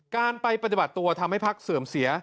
การไปปฏิบัติตัวทำให้พักเสื่อมเสีย